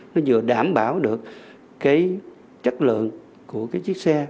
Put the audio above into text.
nó vừa đảm bảo được chất lượng của chiếc xe